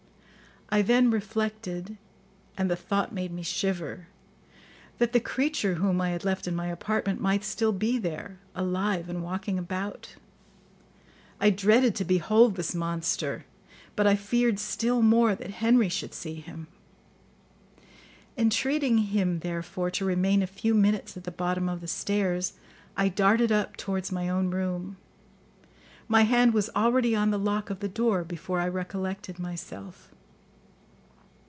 I then reflected, and the thought made me shiver, that the creature whom I had left in my apartment might still be there, alive and walking about. I dreaded to behold this monster, but I feared still more that Henry should see him. Entreating him, therefore, to remain a few minutes at the bottom of the stairs, I darted up towards my own room. My hand was already on the lock of the door before I recollected myself.